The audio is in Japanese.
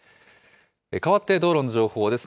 かわって道路の情報です。